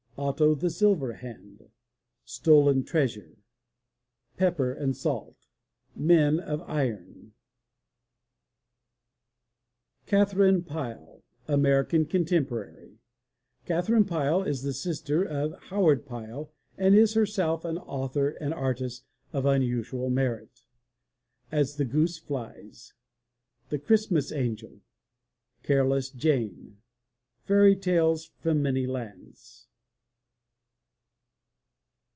Otto of the Silver Hand. Stolen Treasure. Pepper and Salt. KATHERINE PYLE (American contemporary) Katherine Pyle is the sister of Howard Pyle and is herself an author and artist of unusual merit. As the Goose Flies. The Christmas Angel. Careless Jane. Fairy Tales from Many Lands.